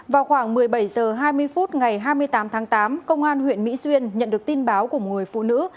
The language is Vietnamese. vào khoảng một mươi bảy h hai mươi phút ngày hai mươi tám tháng tám công an huyện mỹ xuyên nhận được tin báo của một người phụ nữ